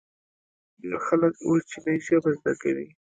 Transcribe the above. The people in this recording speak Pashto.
ډیر خلک اوس چینایي ژبه زده کوي.